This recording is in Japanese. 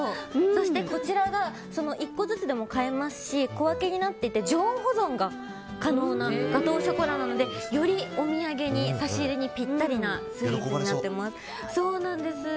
そしてこちらが１個ずつでも買えますし小分けになってて常温保存が可能なガトーショコラなのでよりお土産に、差し入れにぴったりなスイーツになっています。